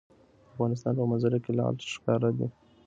د افغانستان په منظره کې لعل ښکاره ده.